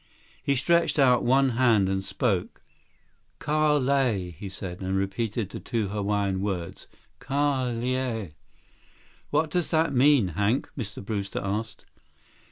He stretched out one hand and spoke. "Ka Lae," he said, and repeated the two Hawaiian words: "Ka Lae." "What does that mean, Hank?" Mr. Brewster asked.